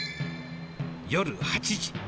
夜８時。